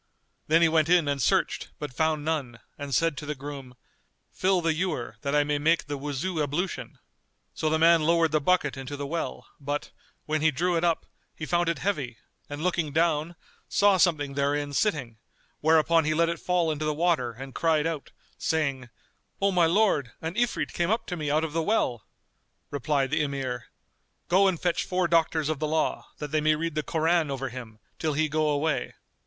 Then he went in and searched, but found none and said to the groom, "Fill the ewer, that I may make the Wuzu ablution." So the man lowered the bucket into the well but, when he drew it up, he found it heavy and looking down, saw something therein sitting; whereupon he let it fall into the water and cried out, saying, "O my lord, an Ifrit came up to me out of the well!" Replied the Emir, "Go and fetch four doctors of the law, that they may read the Koran over him, till he go away."